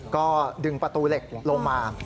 ก็ดึงประตูเหล็กลงมา